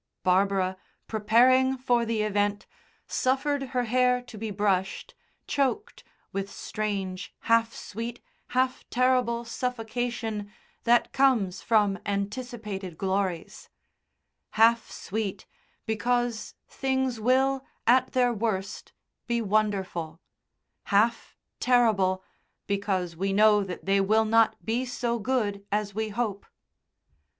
Barbara, preparing for the event, suffered her hair to be brushed, choked with strange half sweet, half terrible suffocation that comes from anticipated glories: half sweet because things will, at their worst, be wonderful; half terrible because we know that they will not be so good as we hope.